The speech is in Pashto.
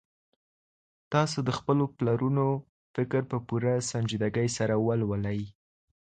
تاسو د خپلو پلرونو فکر په پوره سنجيدګۍ سره ولولئ.